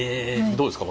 どうですか？